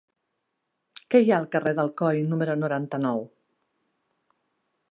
Què hi ha al carrer d'Alcoi número noranta-nou?